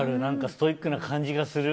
ストイックな感じがする。